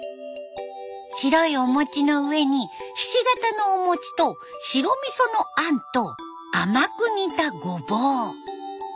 白いお餅の上にひし形のお餅と白みその餡と甘く煮たゴボウ。